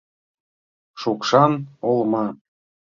Шукшан олма...